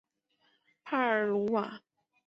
帕尔鲁瓦。